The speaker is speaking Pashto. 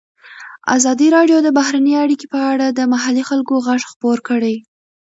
ازادي راډیو د بهرنۍ اړیکې په اړه د محلي خلکو غږ خپور کړی.